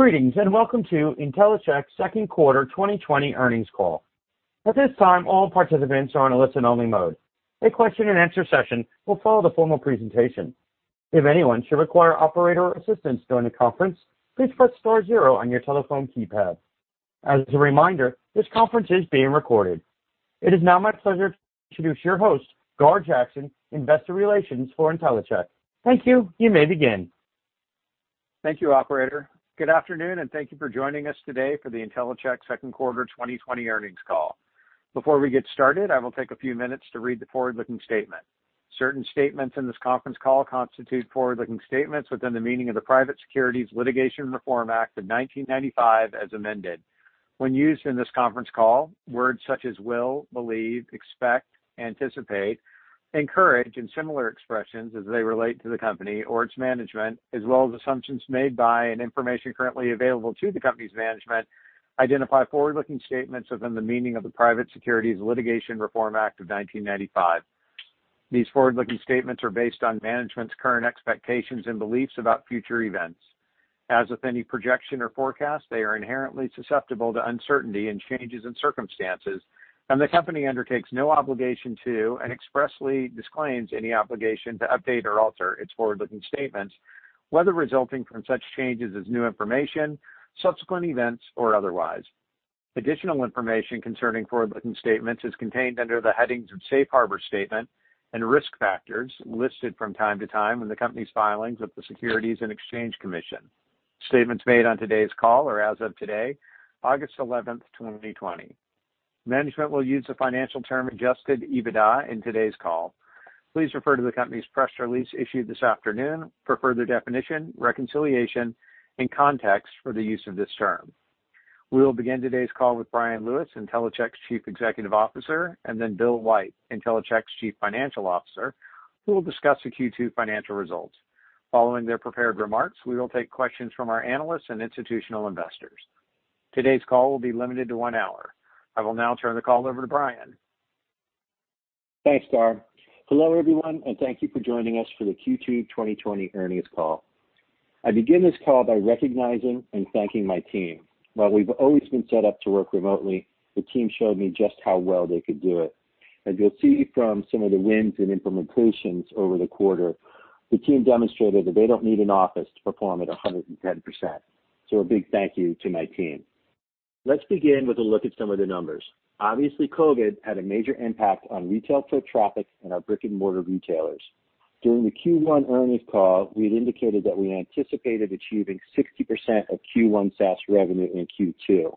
Greetings and welcome to Intellicheck Second Quarter 2020 Earnings Call. At this time, all participants are on a listen-only mode. A question-and-answer session will follow the formal presentation. If anyone should require operator assistance during the conference, please press star zero on your telephone keypad. As a reminder, this conference is being recorded. It is now my pleasure to introduce your host, Gar Jackson, Investor Relations for Intellicheck. Thank you. You may begin. Thank you, Operator. Good afternoon, and thank you for joining us today for the Intellicheck Second Quarter 2020 earnings call. Before we get started, I will take a few minutes to read the forward-looking statement. Certain statements in this conference call constitute forward-looking statements within the meaning of the Private Securities Litigation Reform Act of 1995 as amended. When used in this conference call, words such as will, believe, expect, anticipate, encourage, and similar expressions as they relate to the company or its management, as well as assumptions made by and information currently available to the company's management, identify forward-looking statements within the meaning of the Private Securities Litigation Reform Act of 1995. These forward-looking statements are based on management's current expectations and beliefs about future events. As with any projection or forecast, they are inherently susceptible to uncertainty and changes in circumstances, and the company undertakes no obligation to and expressly disclaims any obligation to update or alter its forward-looking statements, whether resulting from such changes as new information, subsequent events, or otherwise. Additional information concerning forward-looking statements is contained under the headings of Safe Harbor Statement and Risk Factors listed from time to time in the company's filings with the Securities and Exchange Commission. Statements made on today's call are as of today, August 11th, 2020. Management will use the financial term adjusted EBITDA in today's call. Please refer to the company's press release issued this afternoon for further definition, reconciliation, and context for the use of this term. We will begin today's call with Bryan Lewis, Intellicheck's Chief Executive Officer, and then Bill White, Intellicheck's Chief Financial Officer, who will discuss the Q2 financial results. Following their prepared remarks, we will take questions from our analysts and institutional investors. Today's call will be limited to one hour. I will now turn the call over to Bryan. Thanks, Gar. Hello, everyone, and thank you for joining us for the Q2 2020 earnings call. I begin this call by recognizing and thanking my team. While we've always been set up to work remotely, the team showed me just how well they could do it. As you'll see from some of the wins and implementations over the quarter, the team demonstrated that they don't need an office to perform at 110%. So a big thank you to my team. Let's begin with a look at some of the numbers. Obviously, COVID had a major impact on retail foot traffic and our brick-and-mortar retailers. During the Q1 earnings call, we had indicated that we anticipated achieving 60% of Q1 SaaS revenue in Q2.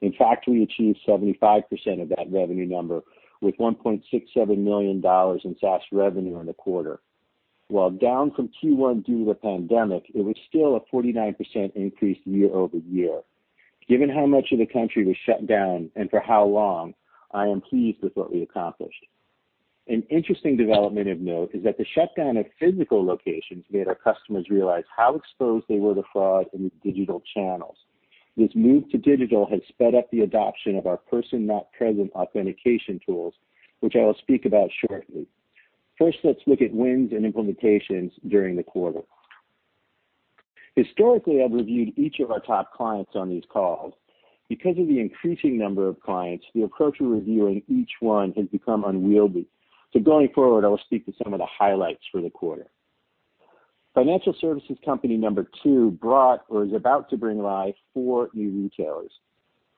In fact, we achieved 75% of that revenue number with $1.67 million in SaaS revenue in the quarter. While down from Q1 due to the pandemic, it was still a 49% increase year-over-year. Given how much of the country was shut down and for how long, I am pleased with what we accomplished. An interesting development of note is that the shutdown of physical locations made our customers realize how exposed they were to fraud in the digital channels. This move to digital has sped up the adoption of our person-not-present authentication tools, which I will speak about shortly. First, let's look at wins and implementations during the quarter. Historically, I've reviewed each of our top clients on these calls. Because of the increasing number of clients, the approach of reviewing each one has become unwieldy. So going forward, I will speak to some of the highlights for the quarter. Financial services company number two brought or is about to bring live four new retailers.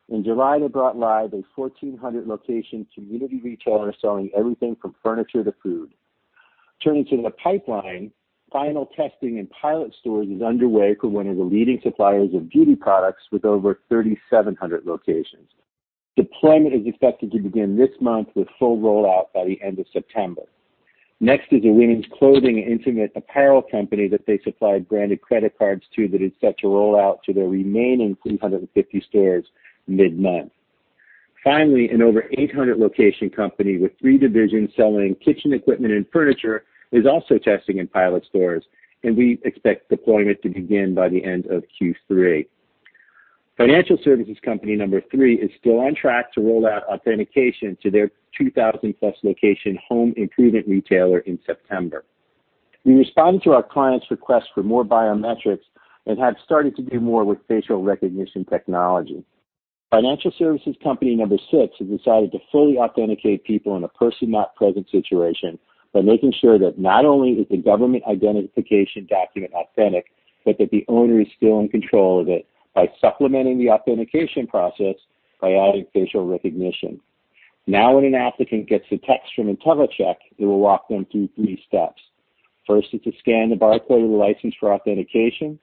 In July, they brought live a 1,400-location community retailer selling everything from furniture to food. Turning to the pipeline, final testing and pilot stores is underway for one of the leading suppliers of beauty products with over 3,700 locations. Deployment is expected to begin this month with full rollout by the end of September. Next is a women's clothing and intimate apparel company that they supplied branded credit cards to that had set to rollout to their remaining 350 stores mid-month. Finally, an over 800-location company with three divisions selling kitchen equipment and furniture is also testing in pilot stores, and we expect deployment to begin by the end of Q3. Financial services company number three is still on track to roll out authentication to their 2,000-plus location home improvement retailer in September. We responded to our client's request for more biometrics and have started to do more with facial recognition technology. Financial services company number six has decided to fully authenticate people in a person-not-present situation by making sure that not only is the government identification document authentic, but that the owner is still in control of it by supplementing the authentication process by adding facial recognition. Now, when an applicant gets a text from Intellicheck, it will walk them through three steps. First is to scan the barcode of the license for authentication.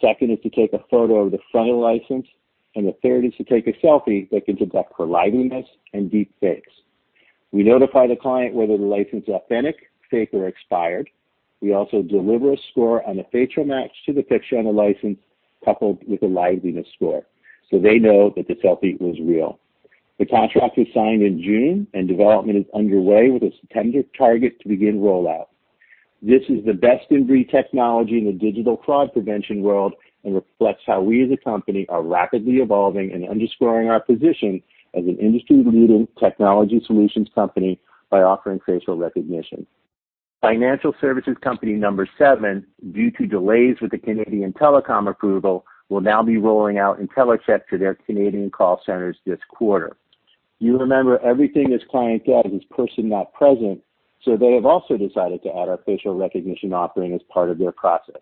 Second is to take a photo of the front of the license. And the third is to take a selfie that can detect for liveness and deepfakes. We notify the client whether the license is authentic, fake, or expired. We also deliver a score on the facial match to the picture on the license coupled with the liveness score so they know that the selfie was real. The contract was signed in June, and development is underway with a September target to begin rollout. This is the best-in-breed technology in the digital fraud prevention world and reflects how we as a company are rapidly evolving and underscoring our position as an industry-leading technology solutions company by offering facial recognition. Financial services company number seven, due to delays with the Canadian telecom approval, will now be rolling out Intellicheck to their Canadian call centers this quarter. You remember everything this client does is person-not-present, so they have also decided to add our facial recognition offering as part of their process.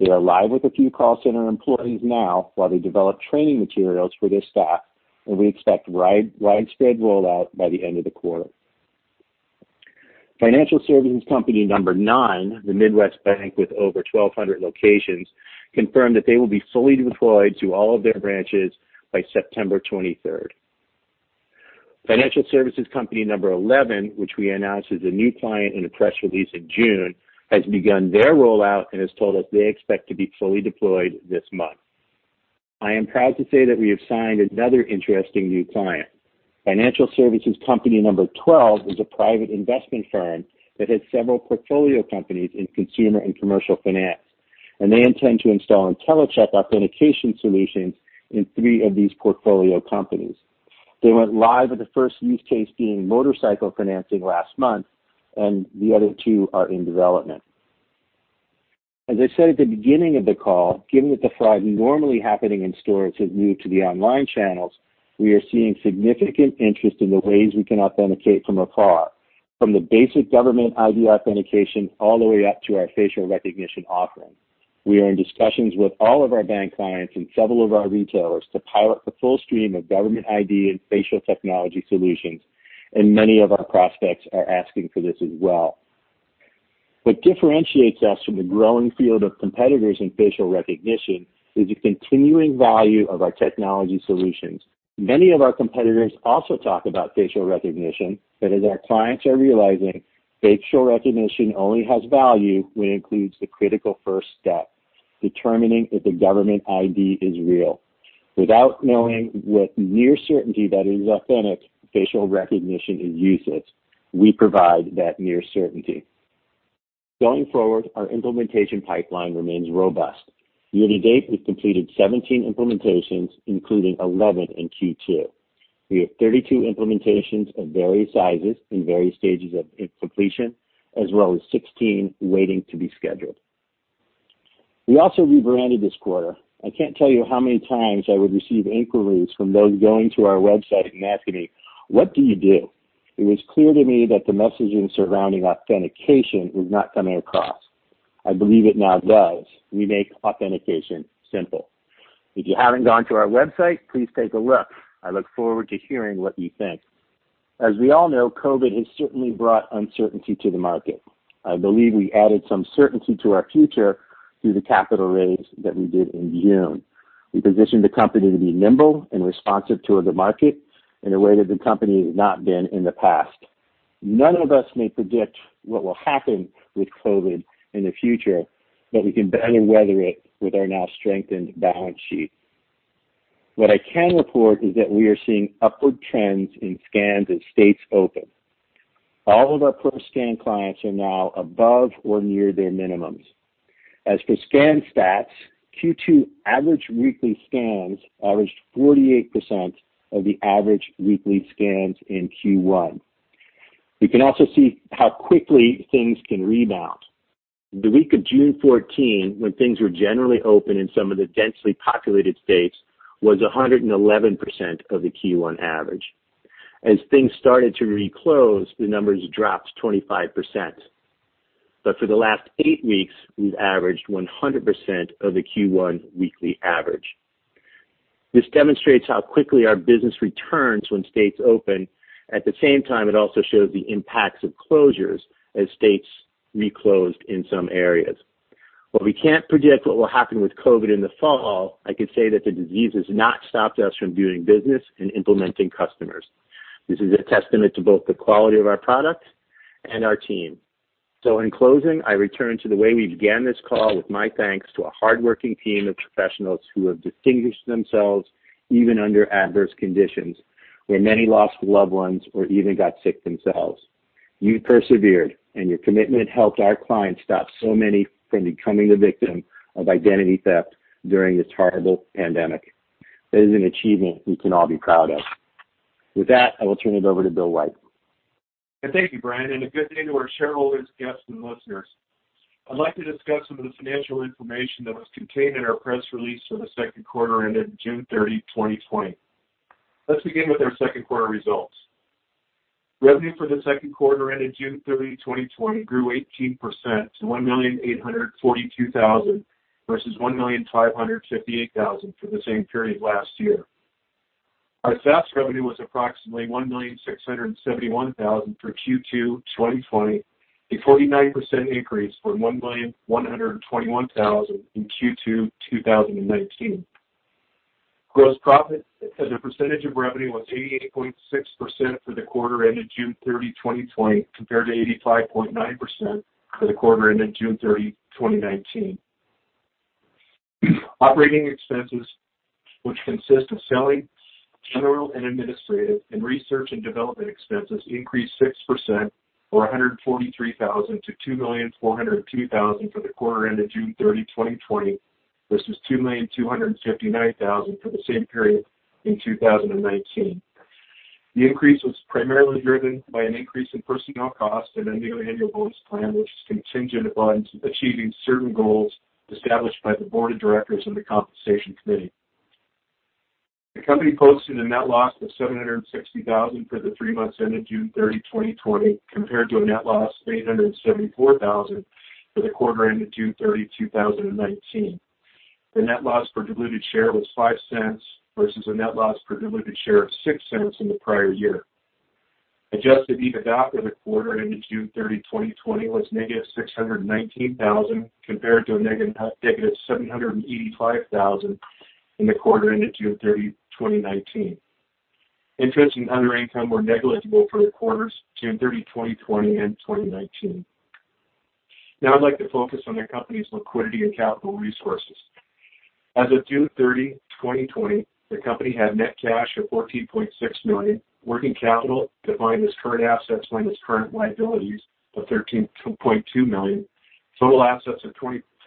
They are live with a few call center employees now while they develop training materials for their staff, and we expect widespread rollout by the end of the quarter. Financial services company number nine, the Midwest bank with over 1,200 locations, confirmed that they will be fully deployed to all of their branches by September 23rd. Financial services company number 11, which we announced as a new client in a press release in June, has begun their rollout and has told us they expect to be fully deployed this month. I am proud to say that we have signed another interesting new client. Financial services company number 12 is a private investment firm that has several portfolio companies in consumer and commercial finance, and they intend to install Intellicheck authentication solutions in three of these portfolio companies. They went live with the first use case being motorcycle financing last month, and the other two are in development. As I said at the beginning of the call, given that the fraud normally happening in stores is new to the online channels, we are seeing significant interest in the ways we can authenticate from afar, from the basic government ID authentication all the way up to our facial recognition offering. We are in discussions with all of our bank clients and several of our retailers to pilot the full stream of government ID and facial technology solutions, and many of our prospects are asking for this as well. What differentiates us from the growing field of competitors in facial recognition is the continuing value of our technology solutions. Many of our competitors also talk about facial recognition, but as our clients are realizing, facial recognition only has value when it includes the critical first step: determining if the government ID is real. Without knowing with near certainty that it is authentic, facial recognition is useless. We provide that near certainty. Going forward, our implementation pipeline remains robust. Year to date, we've completed 17 implementations, including 11 in Q2. We have 32 implementations of various sizes and various stages of completion, as well as 16 waiting to be scheduled. We also rebranded this quarter. I can't tell you how many times I would receive inquiries from those going to our website and asking me, "What do you do?" It was clear to me that the messaging surrounding authentication was not coming across. I believe it now does. We make authentication simple. If you haven't gone to our website, please take a look. I look forward to hearing what you think. As we all know, COVID has certainly brought uncertainty to the market. I believe we added some certainty to our future through the capital raise that we did in June. We positioned the company to be nimble and responsive to the market in a way that the company has not been in the past. None of us may predict what will happen with COVID in the future, but we can better weather it with our now strengthened balance sheet. What I can report is that we are seeing upward trends in scans as states open. All of our per-scan clients are now above or near their minimums. As for scan stats, Q2 average weekly scans averaged 48% of the average weekly scans in Q1. We can also see how quickly things can rebound. The week of June 14, when things were generally open in some of the densely populated states, was 111% of the Q1 average. As things started to reclose, the numbers dropped 25%. But for the last eight weeks, we've averaged 100% of the Q1 weekly average. This demonstrates how quickly our business returns when states open. At the same time, it also shows the impacts of closures as states reclosed in some areas. While we can't predict what will happen with COVID in the fall, I can say that the disease has not stopped us from doing business and implementing customers. This is a testament to both the quality of our product and our team. So in closing, I return to the way we began this call with my thanks to a hardworking team of professionals who have distinguished themselves even under adverse conditions, where many lost loved ones or even got sick themselves. You persevered, and your commitment helped our clients stop so many from becoming the victim of identity theft during this horrible pandemic. That is an achievement we can all be proud of. With that, I will turn it over to Bill White. Thank you, Bryan, and a good day to our shareholders, guests, and listeners. I'd like to discuss some of the financial information that was contained in our press release for the second quarter ended June 30, 2020. Let's begin with our second quarter results. Revenue for the second quarter ended June 30, 2020, grew 18% to $1,842,000 versus $1,558,000 for the same period last year. Our SaaS revenue was approximately $1,671,000 for Q2 2020, a 49% increase from $1,121,000 in Q2 2019. Gross profit as a percentage of revenue was 88.6% for the quarter ended June 30, 2020, compared to 85.9% for the quarter ended June 30, 2019. Operating expenses, which consist of selling, general, and administrative, and research and development expenses, increased 6%, or $143,000 to $2,402,000 for the quarter ended June 30, 2020, versus $2,259,000 for the same period in 2019. The increase was primarily driven by an increase in personnel costs and a new annual bonus plan, which is contingent upon achieving certain goals established by the board of directors and the compensation committee. The company posted a net loss of $760,000 for the three months ended June 30, 2020, compared to a net loss of $874,000 for the quarter ended June 30, 2019. The net loss per diluted share was $0.05 versus a net loss per diluted share of $0.06 in the prior year. Adjusted EBITDA for the quarter ended June 30, 2020, was negative $619,000 compared to a negative $785,000 in the quarter ended June 30, 2019. Interest and other income were negligible for the quarters June 30, 2020, and 2019. Now, I'd like to focus on the company's liquidity and capital resources. As of June 30, 2020, the company had net cash of $14.6 million, working capital defined as current assets minus current liabilities of $13.2 million, total assets of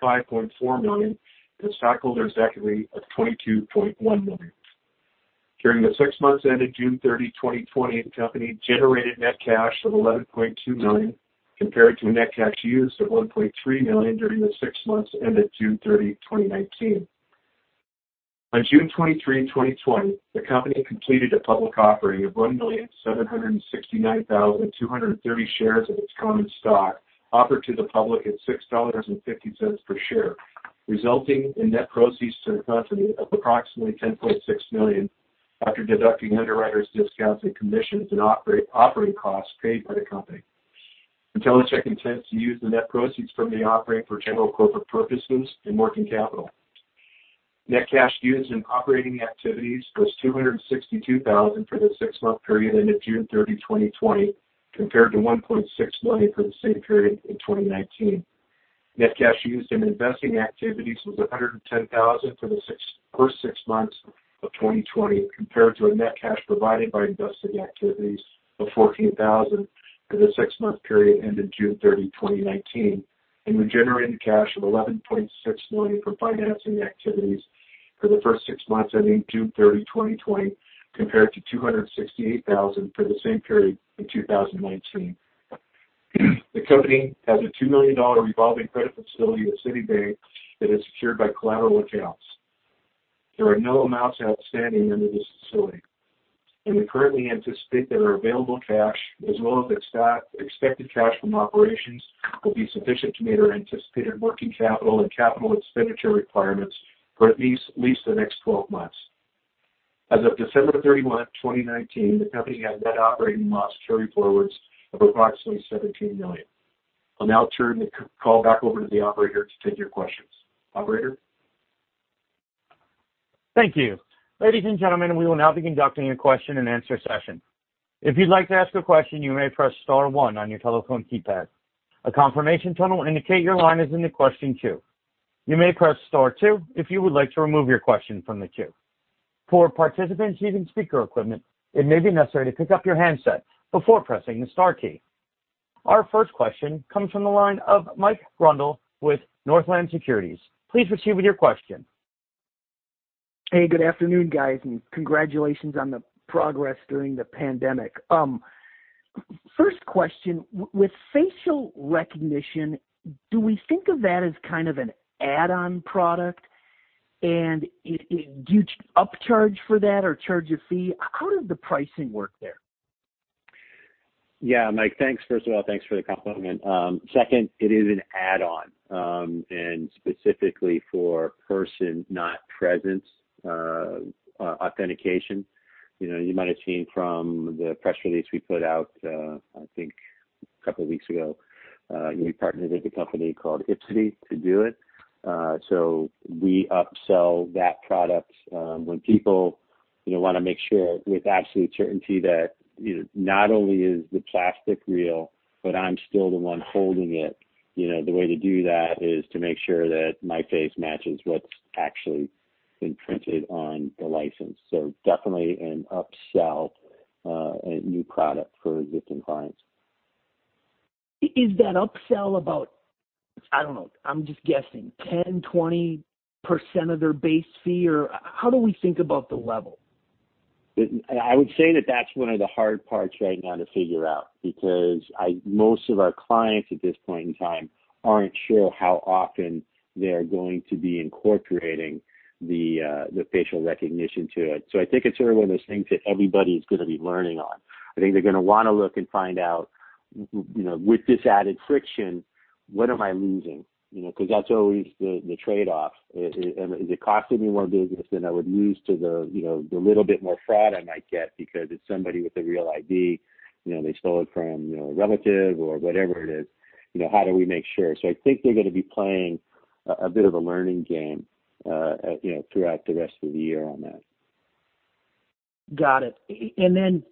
$25.4 million, and stockholders' equity of $22.1 million. During the six months ended June 30, 2020, the company generated net cash of $11.2 million compared to a net cash used of $1.3 million during the six months ended June 30, 2019. On June 23, 2020, the company completed a public offering of 1,769,230 shares of its common stock offered to the public at $6.50 per share, resulting in net proceeds to the company of approximately $10.6 million after deducting underwriter's discounts and commissions and operating costs paid by the company. Intellicheck intends to use the net proceeds from the offering for general corporate purposes and working capital. Net cash used in operating activities was $262,000 for the six-month period ended June 30, 2020, compared to $1.6 million for the same period in 2019. Net cash used in investing activities was $110,000 for the first six months of 2020 compared to a net cash provided by investing activities of $14,000 for the six-month period ended June 30, 2019, and generated cash of $11.6 million for financing activities for the first six months ending June 30, 2020, compared to $268,000 for the same period in 2019. The company has a $2 million revolving credit facility at Citibank that is secured by collateral accounts. There are no amounts outstanding under this facility, and we currently anticipate that our available cash, as well as expected cash from operations, will be sufficient to meet our anticipated working capital and capital expenditure requirements for at least the next 12 months. As of December 31, 2019, the company had net operating loss carry forwards of approximately $17 million. I'll now turn the call back over to the operator to take your questions. Operator? Thank you. Ladies and gentlemen, we will now be conducting a question-and-answer session. If you'd like to ask a question, you may press star one on your telephone keypad. A confirmation tonal indicates your line is in the question queue. You may press star two if you would like to remove your question from the queue. For participants using speaker equipment, it may be necessary to pick up your handset before pressing the Star key. Our first question comes from the line of Mike Grondahl with Northland Securities. Please proceed with your question. Hey, good afternoon, guys, and congratulations on the progress during the pandemic. First question, with facial recognition, do we think of that as kind of an add-on product? And do you upcharge for that or charge a fee? How does the pricing work there? Yeah, Mike, thanks. First of all, thanks for the compliment. Second, it is an add-on, and specifically for person-not-present authentication. You might have seen from the press release we put out, I think, a couple of weeks ago, we partnered with a company called Ipsidy to do it. So we upsell that product when people want to make sure with absolute certainty that not only is the plastic real, but I'm still the one holding it. The way to do that is to make sure that my face matches what's actually imprinted on the license. So definitely an upsell and new product for existing clients. Is that upsell about, I don't know, I'm just guessing, 10%-20% of their base fee? Or how do we think about the level? I would say that that's one of the hard parts right now to figure out because most of our clients at this point in time aren't sure how often they're going to be incorporating the facial recognition to it. So I think it's sort of one of those things that everybody is going to be learning on. I think they're going to want to look and find out, with this added friction, what am I losing? Because that's always the trade-off. Is it costing me more business than I would lose to the little bit more fraud I might get because it's somebody with a real ID? They stole it from a relative or whatever it is. How do we make sure? So I think they're going to be playing a bit of a learning game throughout the rest of the year on that. Got it. And then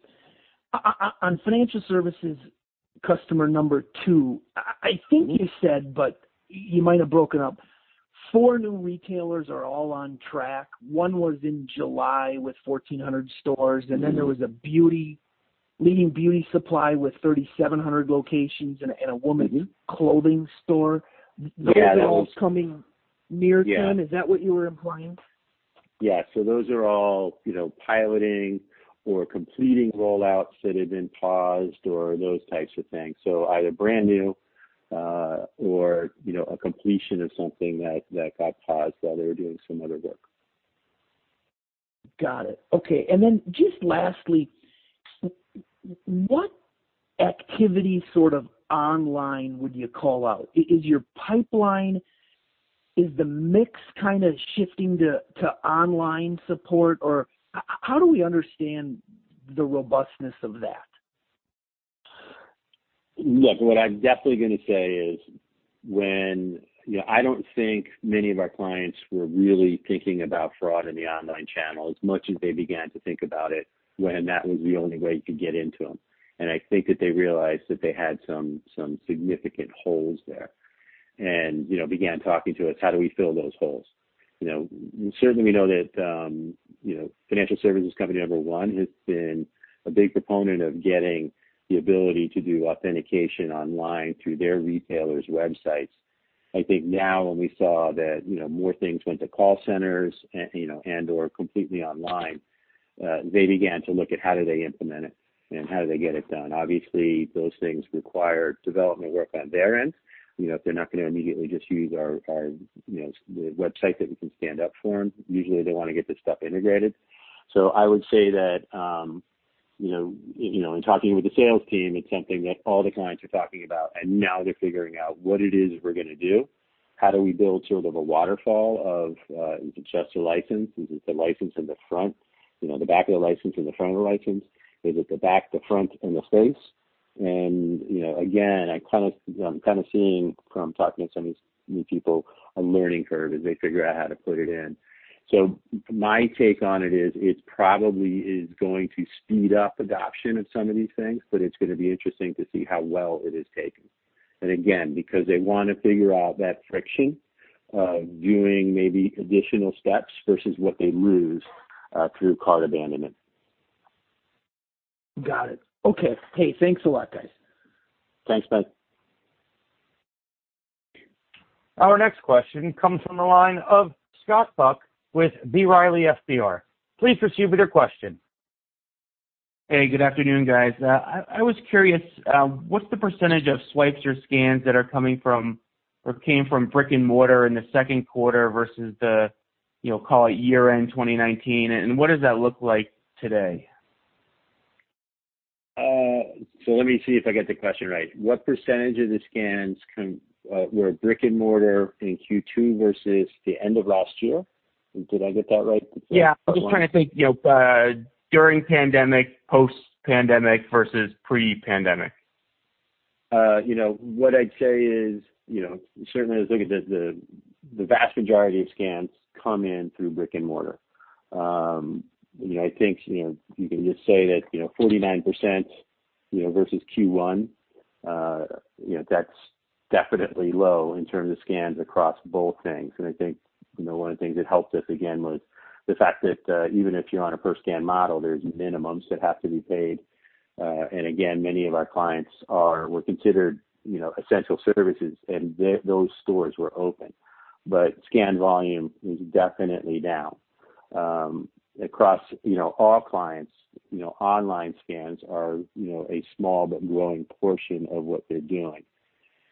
on financial services, customer number two, I think you said, but you might have broken up, four new retailers are all on track. One was in July with 1,400 stores, and then there was a leading beauty supply with 3,700 locations and a woman's clothing store. Those are all coming near to them. Is that what you were implying? Yeah. So those are all piloting or completing rollouts that have been paused or those types of things. So either brand new or a completion of something that got paused while they were doing some other work. Got it. Okay. And then just lastly, what activity sort of online would you call out? Is your pipeline, is the mix kind of shifting to online support? Or how do we understand the robustness of that? Look, what I'm definitely going to say is when I don't think many of our clients were really thinking about fraud in the online channel as much as they began to think about it when that was the only way to get into them, and I think that they realized that they had some significant holes there and began talking to us, how do we fill those holes? Certainly, we know that financial services company number one has been a big proponent of getting the ability to do authentication online through their retailers' websites. I think now when we saw that more things went to call centers and/or completely online, they began to look at how do they implement it and how do they get it done. Obviously, those things require development work on their end. If they're not going to immediately just use our website that we can stand up for them, usually they want to get this stuff integrated. So I would say that in talking with the sales team, it's something that all the clients are talking about, and now they're figuring out what it is we're going to do. How do we build sort of a waterfall of, is it just a license? Is it the license in the front, the back of the license and the front of the license? Is it the back, the front, and the face? And again, I'm kind of seeing from talking to some of these new people a learning curve as they figure out how to put it in. So my take on it is it probably is going to speed up adoption of some of these things, but it's going to be interesting to see how well it is taken. And again, because they want to figure out that friction of doing maybe additional steps versus what they lose through cart abandonment. Got it. Okay. Hey, thanks a lot, guys. Thanks, Mike. Our next question comes from the line of Scott Buck with B. Riley FBR. Please proceed with your question. Hey, good afternoon, guys. I was curious, what's the percentage of swipes or scans that came from brick and mortar in the second quarter versus the, call it, year-end 2019, and what does that look like today? Let me see if I get the question right. What percentage of the scans were brick and mortar in Q2 versus the end of last year? Did I get that right? Yeah. I'm just trying to think during pandemic, post-pandemic versus pre-pandemic. What I'd say is certainly, I look at the vast majority of scans come in through brick and mortar. I think you can just say that 49% versus Q1, that's definitely low in terms of scans across both things. And I think one of the things that helped us, again, was the fact that even if you're on a per-scan model, there's minimums that have to be paid. And again, many of our clients were considered essential services, and those stores were open. But scan volume is definitely down. Across all clients, online scans are a small but growing portion of what they're doing.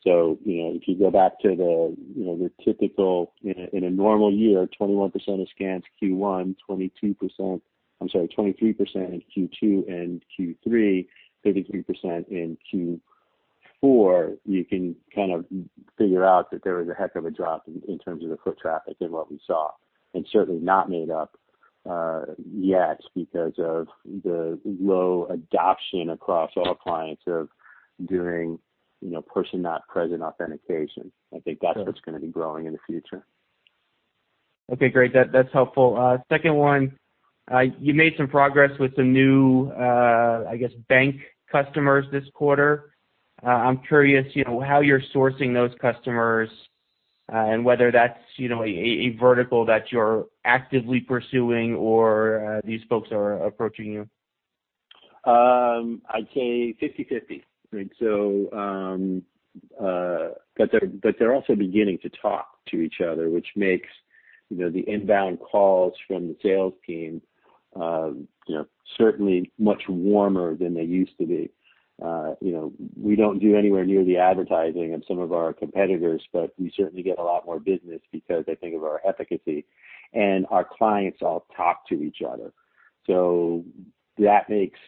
So if you go back to the typical, in a normal year, 21% of scans Q1, 22%, I'm sorry, 23% in Q2 and Q3, 33% in Q4, you can kind of figure out that there was a heck of a drop in terms of the foot traffic and what we saw. And certainly not made up yet because of the low adoption across all clients of doing person-not-present authentication. I think that's what's going to be growing in the future. Okay. Great. That's helpful. Second one, you made some progress with some new, I guess, bank customers this quarter. I'm curious how you're sourcing those customers and whether that's a vertical that you're actively pursuing or these folks are approaching you. I'd say 50/50. But they're also beginning to talk to each other, which makes the inbound calls from the sales team certainly much warmer than they used to be. We don't do anywhere near the advertising of some of our competitors, but we certainly get a lot more business because I think of our efficacy. And our clients all talk to each other. So that makes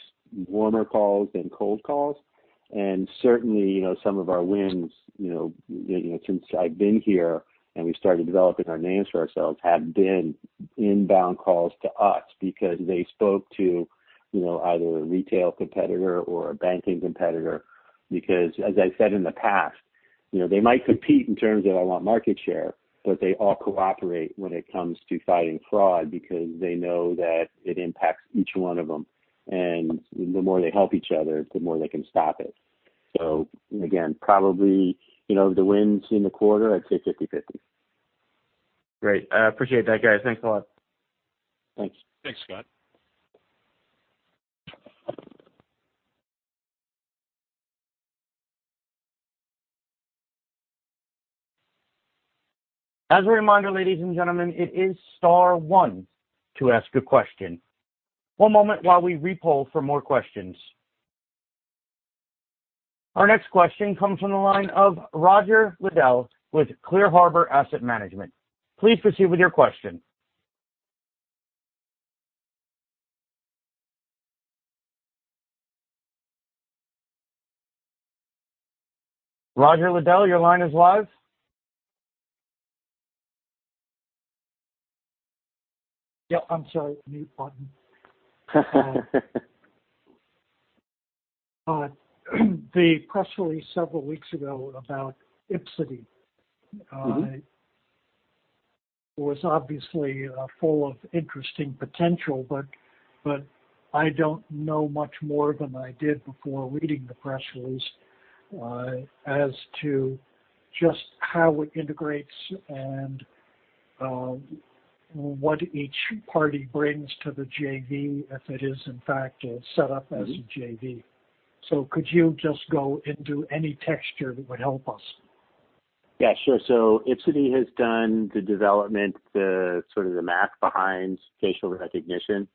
warmer calls than cold calls. And certainly, some of our wins, since I've been here and we started developing our names for ourselves, have been inbound calls to us because they spoke to either a retail competitor or a banking competitor. Because, as I said in the past, they might compete in terms of, "I want market share," but they all cooperate when it comes to fighting fraud because they know that it impacts each one of them. The more they help each other, the more they can stop it. Again, probably the wins in the quarter, I'd say 50/50. Great. Appreciate that, guys. Thanks a lot. Thanks. Thanks, Scott. As a reminder, ladies and gentlemen, it is star one to ask a question. One moment while we repoll for more questions. Our next question comes from the line of Roger Liddell with Clear Harbor Asset Management. Please proceed with your question. Roger Liddell, your line is live. The press release several weeks ago about Ipsidy was obviously full of interesting potential, but I don't know much more than I did before reading the press release as to just how it integrates and what each party brings to the JV if it is, in fact, set up as a JV. So could you just go into any texture that would help us? Yeah, sure, so Ipsidy has done the development, sort of the math behind facial recognition.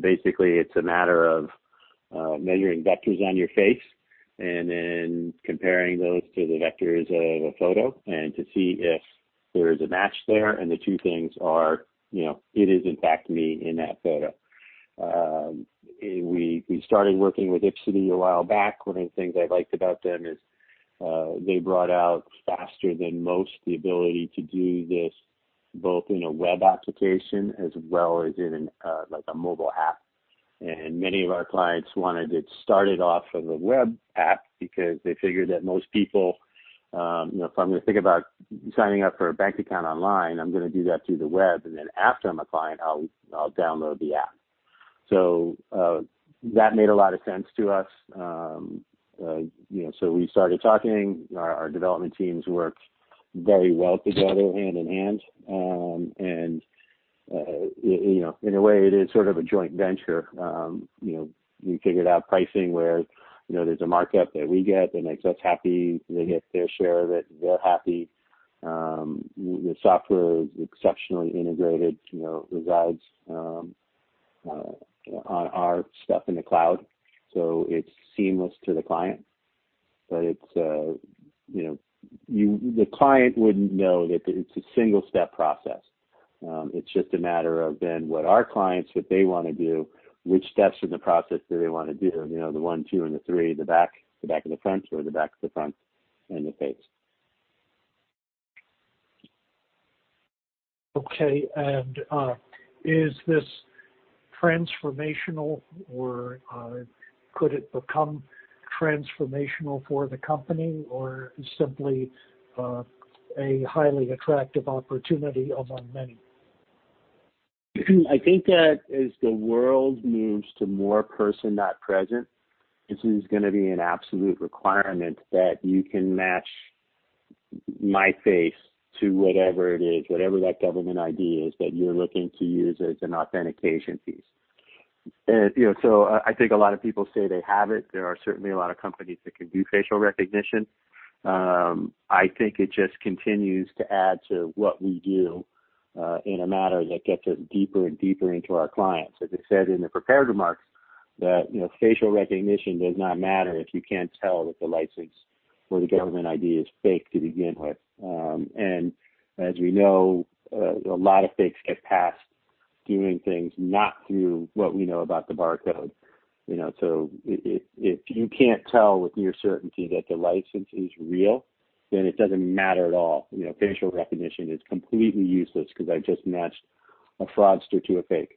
Basically, it's a matter of measuring vectors on your face and then comparing those to the vectors of a photo and to see if there is a match there, and the two things are, "It is, in fact, me in that photo." We started working with Ipsidy a while back. One of the things I liked about them is they brought out faster than most the ability to do this both in a web application as well as in a mobile app, and many of our clients wanted it started off from the web app because they figured that most people, if I'm going to think about signing up for a bank account online, I'm going to do that through the web, and then after I'm a client, I'll download the app. So that made a lot of sense to us. So we started talking. Our development teams work very well together, hand in hand. And in a way, it is sort of a joint venture. We figured out pricing where there's a markup that we get. It makes us happy. They get their share of it. They're happy. The software is exceptionally integrated. It resides on our stuff in the cloud. So it's seamless to the client. But the client wouldn't know that it's a single-step process. It's just a matter of then what our clients, what they want to do, which steps in the process do they want to do? The one, two, and the three, the back, the back of the front, or the back of the front and the face. Okay. And is this transformational, or could it become transformational for the company, or simply a highly attractive opportunity among many? I think that as the world moves to more person, not present, this is going to be an absolute requirement that you can match my face to whatever it is, whatever that government ID is that you're looking to use as an authentication piece. So I think a lot of people say they have it. There are certainly a lot of companies that can do facial recognition. I think it just continues to add to what we do in a manner that gets us deeper and deeper into our clients. As I said in the prepared remarks, that facial recognition does not matter if you can't tell that the license or the government ID is fake to begin with. And as we know, a lot of fakes get passed doing things not through what we know about the barcode. If you can't tell with near certainty that the license is real, then it doesn't matter at all. Facial recognition is completely useless because I just matched a fraudster to a fake.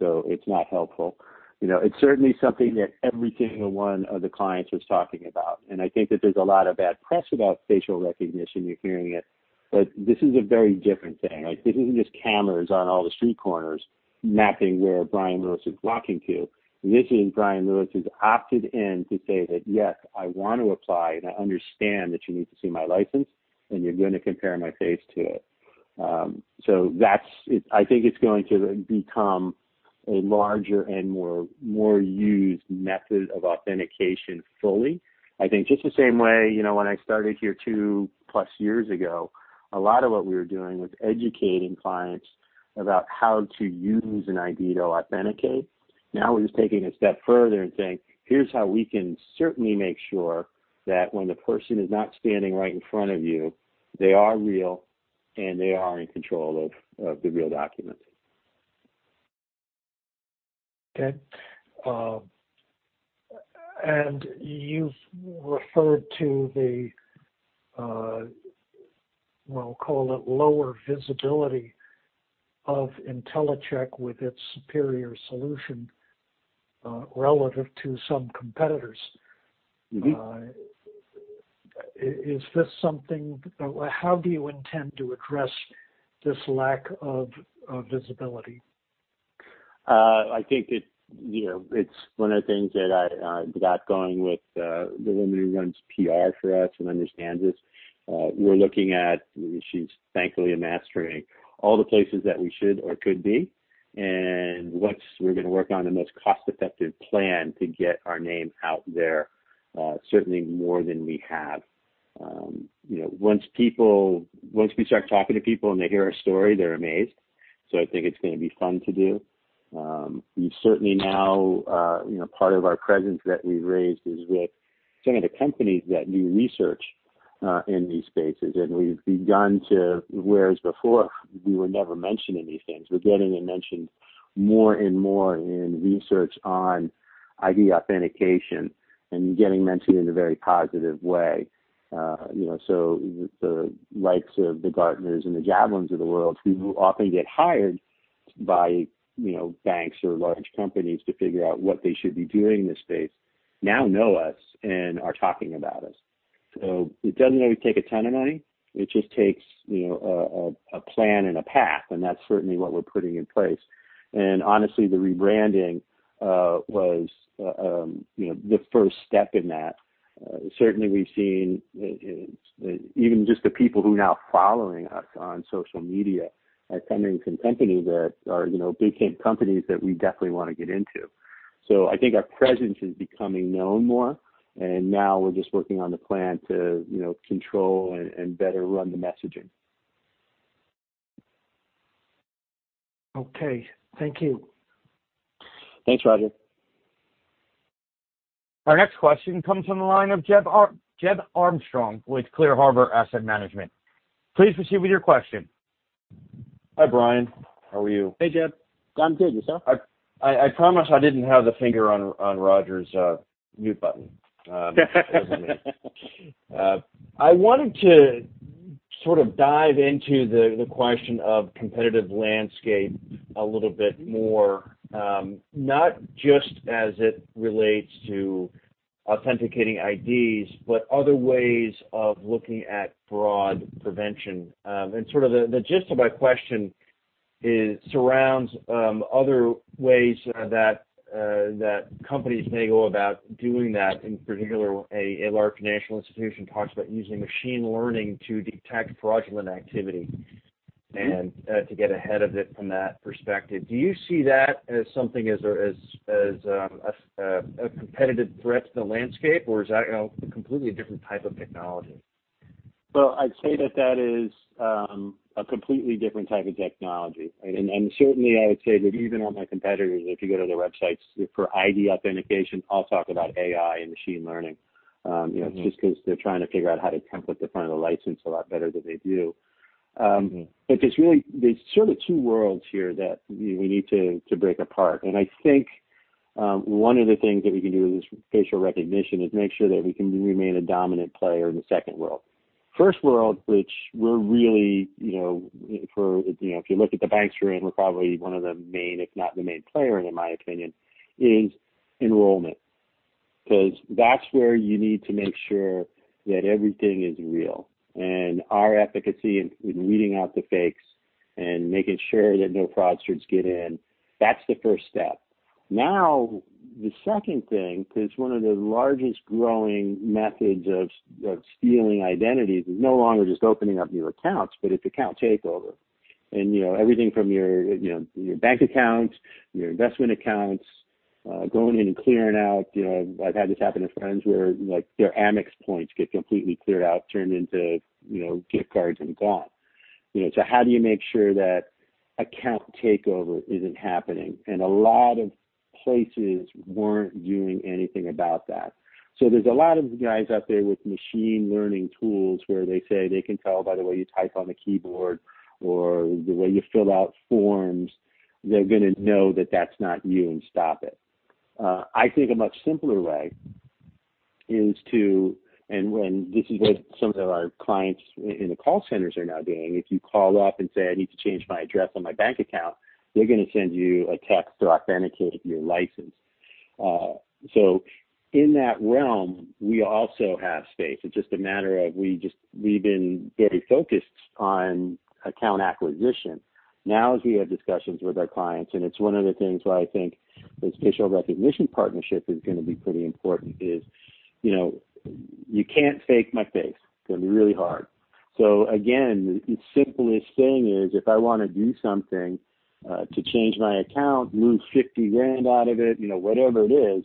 It's not helpful. It's certainly something that every single one of the clients was talking about. I think that there's a lot of bad press about facial recognition. You're hearing it. But this is a very different thing. This isn't just cameras on all the street corners mapping where Bryan Lewis is walking to. This is Bryan Lewis has opted in to say that, "Yes, I want to apply, and I understand that you need to see my license, and you're going to compare my face to it." I think it's going to become a larger and more used method of authentication fully. I think just the same way when I started here two plus years ago, a lot of what we were doing was educating clients about how to use an ID to authenticate. Now we're just taking a step further and saying, "Here's how we can certainly make sure that when the person is not standing right in front of you, they are real and they are in control of the real document. Okay, and you've referred to the, well, call it, lower visibility of Intellicheck with its superior solution relative to some competitors. Is this something? How do you intend to address this lack of visibility? I think it's one of the things that I got going with the woman who runs PR for us and understands this. We're looking at - she's thankfully mastering - all the places that we should or could be and we're going to work on the most cost-effective plan to get our name out there, certainly more than we have. Once we start talking to people and they hear our story, they're amazed. So I think it's going to be fun to do. We certainly now, part of our presence that we've raised is with some of the companies that do research in these spaces, and we've begun to - whereas before, we were never mentioned in these things - we're getting mentioned more and more in research on ID authentication and getting mentioned in a very positive way. So the likes of the Gartners and the Javelins of the world, who often get hired by banks or large companies to figure out what they should be doing in this space, now know us and are talking about us. So it doesn't always take a ton of money. It just takes a plan and a path. And that's certainly what we're putting in place. And honestly, the rebranding was the first step in that. Certainly, we've seen even just the people who are now following us on social media are coming from companies that are big companies that we definitely want to get into. So I think our presence is becoming known more. And now we're just working on the plan to control and better run the messaging. Okay. Thank you. Thanks, Roger. Our next question comes from the line of Jeb Armstrong with Clear Harbor Asset Management. Please proceed with your question. Hi, Brian. How are you? Hey, Jeb. I'm good. Yourself? I promise I didn't have the finger on Roger's mute button. I wanted to sort of dive into the question of competitive landscape a little bit more, not just as it relates to authenticating IDs, but other ways of looking at fraud prevention. And sort of the gist of my question surrounds other ways that companies may go about doing that. In particular, a large national institution talks about using machine learning to detect fraudulent activity and to get ahead of it from that perspective. Do you see that as something as a competitive threat to the landscape, or is that a completely different type of technology? Well, I'd say that that is a completely different type of technology. And certainly, I would say that even on my competitors, if you go to their websites for ID authentication, they'll talk about AI and machine learning. It's just because they're trying to figure out how to template the front of the license a lot better than they do. But there's sort of two worlds here that we need to break apart. And I think one of the things that we can do with this facial recognition is make sure that we can remain a dominant player in the second world. First world, which we're really, if you look at the banks we're in, we're probably one of the main, if not the main player, in my opinion, is enrollment. Because that's where you need to make sure that everything is real. And our efficacy in weeding out the fakes and making sure that no fraudsters get in, that's the first step. Now, the second thing, because one of the largest growing methods of stealing identities is no longer just opening up new accounts, but it's account takeover. And everything from your bank accounts, your investment accounts, going in and clearing out, I've had this happen to friends where their Amex points get completely cleared out, turned into gift cards, and gone. So how do you make sure that account takeover isn't happening? And a lot of places weren't doing anything about that. So there's a lot of guys out there with machine learning tools where they say they can tell by the way you type on the keyboard or the way you fill out forms, they're going to know that that's not you and stop it. I think a much simpler way is to, and this is what some of our clients in the call centers are now doing. If you call up and say, "I need to change my address on my bank account," they're going to send you a text to authenticate your license. So in that realm, we also have space. It's just a matter of we've been very focused on account acquisition. Now, as we have discussions with our clients, and it's one of the things where I think this facial recognition partnership is going to be pretty important, is you can't fake my face. It's going to be really hard. So again, the simplest thing is if I want to do something to change my account, move $50,000 out of it, whatever it is,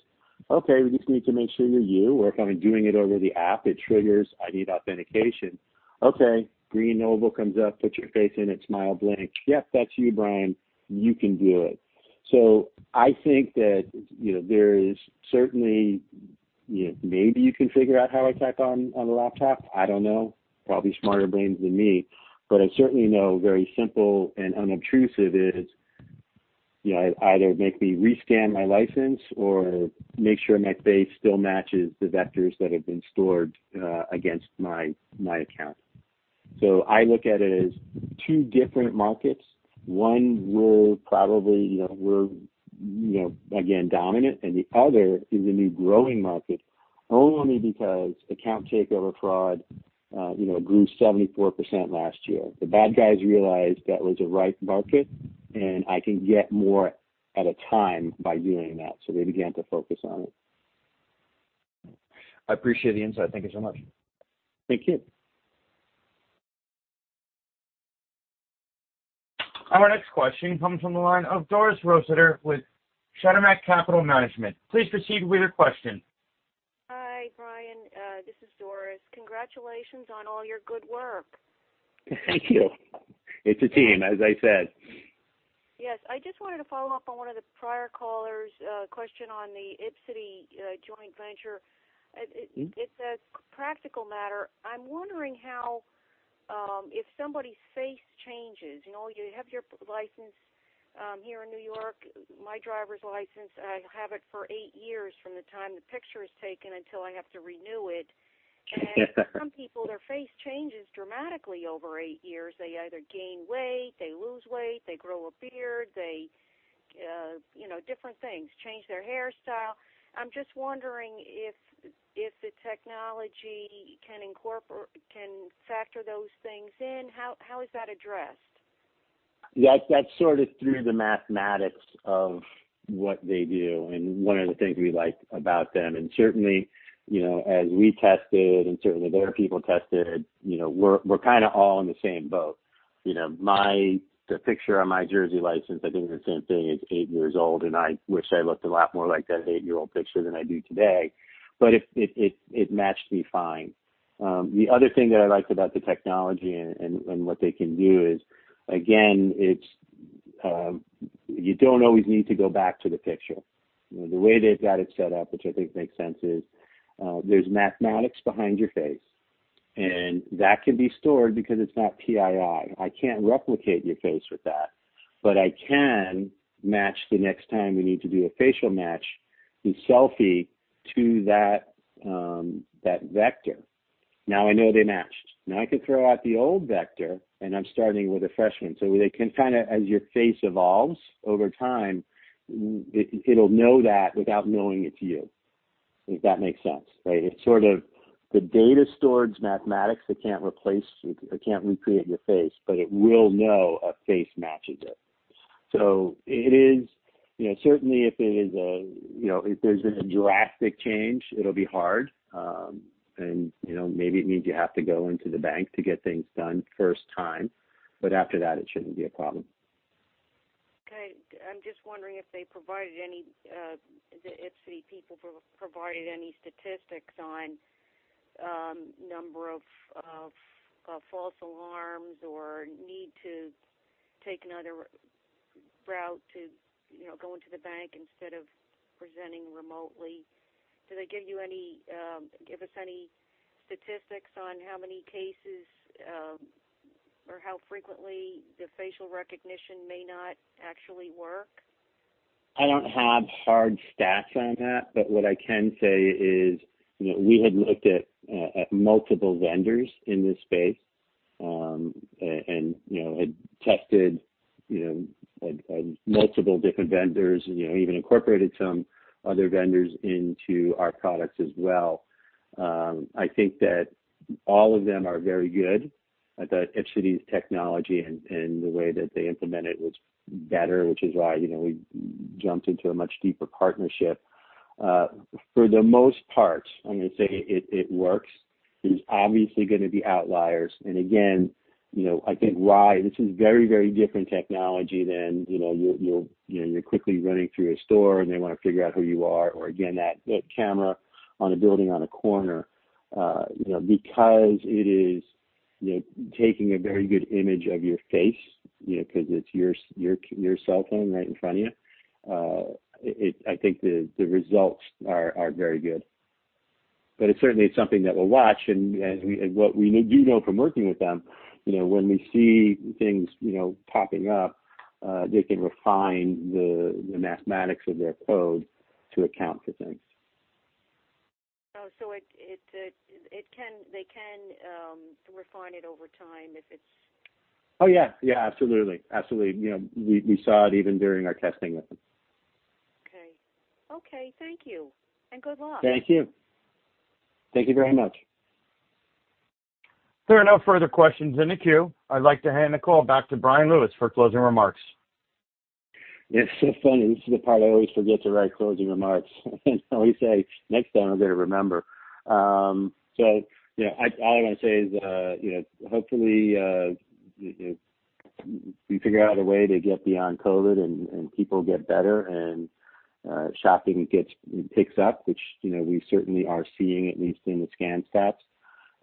okay, we just need to make sure you're you. Or if I'm doing it over the app, it triggers ID authentication. Okay. Green over comes up, put your face in it, smile, blink. Yep, that's you, Bryan. You can do it. So I think that there is certainly, maybe you can figure out how I type on a laptop. I don't know. Probably smarter brains than me. But I certainly know very simple and unobtrusive is either make me rescan my license or make sure my face still matches the vectors that have been stored against my account. So I look at it as two different markets, one where probably we're, again, dominant, and the other is a new growing market only because account takeover fraud grew 74% last year. The bad guys realized that was a ripe market, and I can get more at a time by doing that, so they began to focus on it. I appreciate the insight. Thank you so much. Thank you. Our next question comes from the line of Doris Rodin with Schechter Capital Management. Please proceed with your question. Hi, Bryan. This is Doris. Congratulations on all your good work. Thank you. It's a team, as I said. Yes. I just wanted to follow up on one of the prior callers' question on the Ipsidy joint venture. It's a practical matter. I'm wondering how, if somebody's face changes—you have your license here in New York, my driver's license, I have it for eight years from the time the picture is taken until I have to renew it. And some people, their face changes dramatically over eight years. They either gain weight, they lose weight, they grow a beard, they do different things, change their hairstyle. I'm just wondering if the technology can factor those things in. How is that addressed? That's sort of through the mathematics of what they do and one of the things we like about them. And certainly, as we tested and certainly other people tested, we're kind of all in the same boat. The picture on my Jersey license, I think the same thing, is eight years old, and I wish I looked a lot more like that eight-year-old picture than I do today. But it matched me fine. The other thing that I liked about the technology and what they can do is, again, you don't always need to go back to the picture. The way they've got it set up, which I think makes sense, is there's mathematics behind your face. And that can be stored because it's not PII. I can't replicate your face with that. But I can match the next time we need to do a facial match, the selfie to that vector. Now I know they matched. Now I can throw out the old vector, and I'm starting with a fresh one. So they can kind of, as your face evolves over time, it'll know that without knowing it's you, if that makes sense. It's sort of the data storage mathematics that can't replace or can't recreate your face, but it will know a face matches it. So it is certainly, if it is, if there's been a drastic change, it'll be hard. And maybe it means you have to go into the bank to get things done first time, but after that, it shouldn't be a problem. Okay. I'm just wondering if the Ipsidy people provided any statistics on number of false alarms or need to take another route to go into the bank instead of presenting remotely. Do they give us any statistics on how many cases or how frequently the facial recognition may not actually work? I don't have hard stats on that, but what I can say is we had looked at multiple vendors in this space and had tested multiple different vendors, even incorporated some other vendors into our products as well. I think that all of them are very good. I thought Ipsidy's technology and the way that they implement it was better, which is why we jumped into a much deeper partnership. For the most part, I'm going to say it works. There's obviously going to be outliers, and again, I think why this is very, very different technology than you're quickly running through a store and they want to figure out who you are or, again, that camera on a building on a corner. Because it is taking a very good image of your face because it's your cell phone right in front of you, I think the results are very good. But it's certainly something that we'll watch. And what we do know from working with them, when we see things popping up, they can refine the mathematics of their code to account for things. Oh, so they can refine it over time if it's. Oh, yeah. Yeah, absolutely. Absolutely. We saw it even during our testing with them. Okay. Okay. Thank you. And good luck. Thank you. Thank you very much. There are no further questions in the queue. I'd like to hand the call back to Bryan Lewis for closing remarks. It's so funny. This is the part I always forget to write closing remarks. And I always say, "Next time, I'm going to remember." So all I want to say is hopefully we figure out a way to get beyond COVID and people get better and shopping picks up, which we certainly are seeing, at least in the scan stats.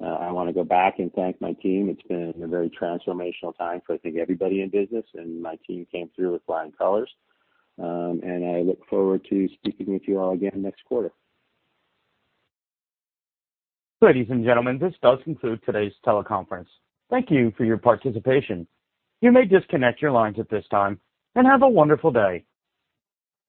I want to go back and thank my team. It's been a very transformational time for, I think, everybody in business. And my team came through with flying colors. And I look forward to speaking with you all again next quarter. Ladies and gentlemen, this does conclude today's teleconference. Thank you for your participation. You may disconnect your lines at this time and have a wonderful day.